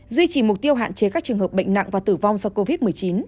duy trì mục tiêu hạn chế các trường hợp bệnh nặng và tử vong do covid một mươi chín